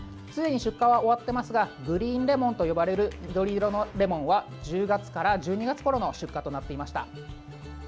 すでに出荷は終わってますがグリーンレモンと呼ばれる緑色のレモンは１０月から１２月ごろの出荷となっていました。